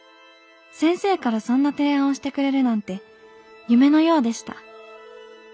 先生からそんな提案をしてくれるなんて夢のようでした。